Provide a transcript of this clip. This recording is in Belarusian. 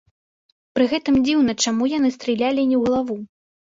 Пры гэтым дзіўна, чаму яны стралялі не ў галаву?